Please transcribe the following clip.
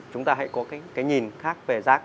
chúng ta hãy có cái nhìn khác về rác